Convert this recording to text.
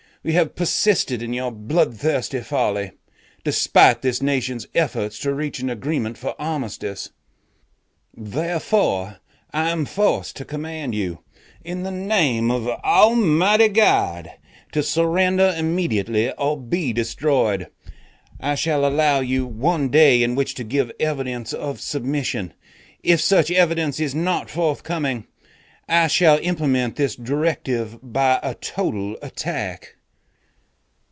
You have persisted in your blood thirsty folly, despite this nation's efforts to reach an agreement for armistice. Therefore I am forced to command you, in the Name of Almighty God, to surrender immediately or be destroyed. I shall allow you one day in which to give evidence of submission. If such evidence is not forthcoming, I shall implement this directive by a total attack....'"